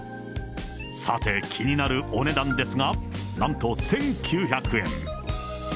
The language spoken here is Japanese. さて、気になるお値段ですが、なんと１９００円。